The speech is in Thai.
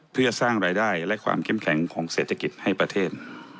เพื่อสร้างรายได้และความเข้มแข็งของเศรษฐกิจให้ประเทศ